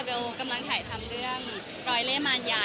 เวลากำลังทำเรื่องรอยเล็กหมาญา